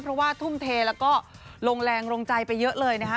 เพราะว่าทุ่มเทแล้วก็ลงแรงลงใจไปเยอะเลยนะคะ